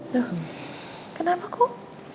loh kenapa kuk